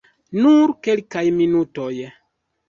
Nur kelkaj minutoj.